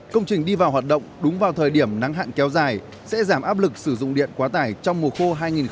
công trình đi vào hoạt động đúng vào thời điểm nắng hạn kéo dài sẽ giảm áp lực sử dụng điện quá tải trong mùa khô hai nghìn hai mươi